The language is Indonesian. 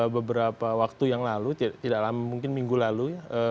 beberapa waktu yang lalu tidak lama mungkin minggu lalu ya